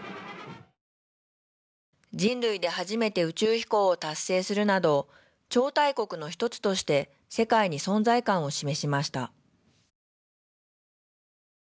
人類で初めて宇宙飛行を達成するなど超大国のひとつとして世界に存在感を示しました。